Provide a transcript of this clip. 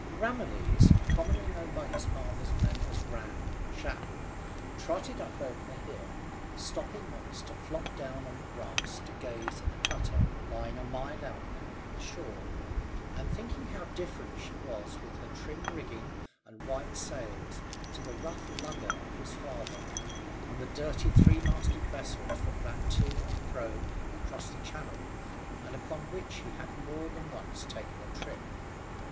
Ramillies commonly known by his father's men as Ram Shackle trotted up over the hill, stopping once to flop down on the grass to gaze at the cutter, lying a mile out now from the shore, and thinking how different she was with her trim rigging and white sails to the rough lugger of his father, and the dirty three masted vessels that ran to and fro across the Channel, and upon which he had more than once taken a trip.